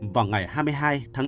vào ngày hai mươi hai tháng tám